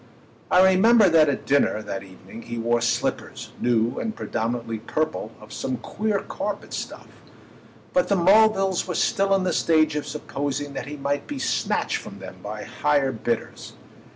I remember that at dinner that evening he wore slippers, new and predominantly purple, of some queer carpet stuff; but the Mulvilles were still in the stage of supposing that he might be snatched from them by higher bidders.